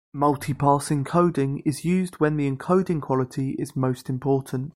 Multi-pass encoding is used when the encoding quality is most important.